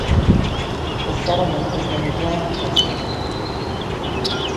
The settlement was named Lancaster.